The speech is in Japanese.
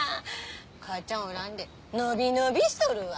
母ちゃんおらんで伸び伸びしとるわ。